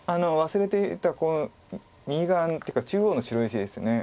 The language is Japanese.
忘れていた頃右側っていうか中央の白石です。